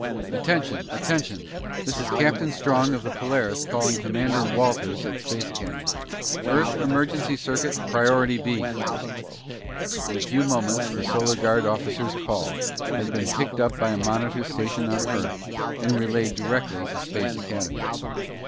"Attention! Attention! This is Captain Strong on the Polaris calling Commander Walters at Space Academy! Earth emergency circuit, priority B " In a few moments the Solar Guard officer's call had been picked up by a monitor station on Earth and relayed directly to Space Academy.